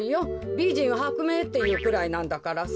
「びじんはくめい」っていうくらいなんだからさ。